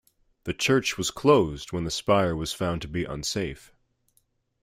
The church was closed when the spire was found to be unsafe.